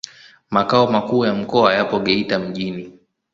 Makao makuu ya mkoa yapo Geita mjini.